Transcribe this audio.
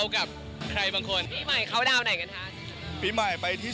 กับใครบางคนปีใหม่เข้าดาวไหนกันคะปีใหม่ไปที่